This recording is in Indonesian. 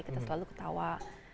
kita selalu ketawa